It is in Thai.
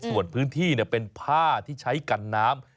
ส่วนพื้นที่เป็นผ้าที่ใช้กันน้ำ